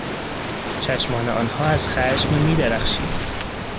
چشمان آنها از خشم میدرخشید.